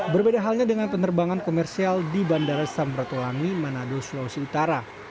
berbeda halnya dengan penerbangan komersial di bandara samratulangi manado sulawesi utara